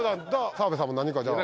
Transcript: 澤部さんも何かじゃあ。